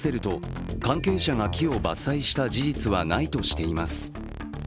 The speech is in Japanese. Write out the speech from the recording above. ＪＲに問い合わせると、関係者が木を伐採した事実はないとしています。